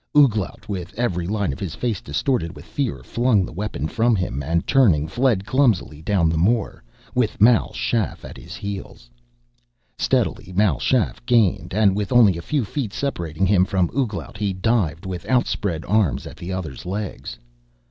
Ouglat, with every line of his face distorted with fear, flung the weapon from him, and turning, fled clumsily down the moor, with Mal Shaff at his heels. Steadily Mal Shaff gained and with only a few feet separating him from Ouglat, he dived with outspread arms at the other's legs.